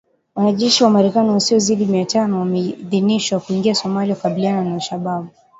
Wanajeshi wa Marekani wasiozidi mia tano wameidhinishwa kuingia Somalia kukabiliana na Al Shabaab